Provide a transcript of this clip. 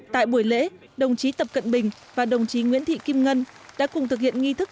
tại buổi lễ đồng chí tập cận bình và đồng chí nguyễn thị kim ngân đã cùng thực hiện nghi thức